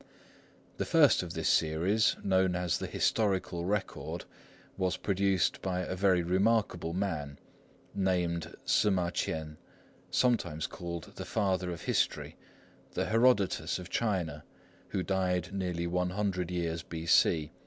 The first of this series, known as The Historical Record, was produced by a very remarkable man, named Ssŭ ma Ch'ien, sometimes called the Father of History, the Herodotus of China, who died nearly one hundred years B.C.